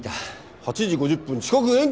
８時５０分遅刻厳禁。